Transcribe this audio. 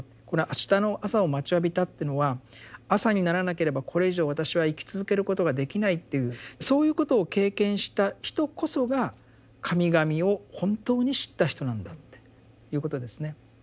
この「明日の朝を待ちわびた」っていうのは朝にならなければこれ以上私は生き続けることができないっていうそういうことを経験した人こそが神々を本当に知った人なんだっていうことですね。